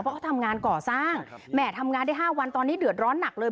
เพราะเขาทำงานก่อสร้างแหม่ทำงานได้๕วันตอนนี้เดือดร้อนหนักเลย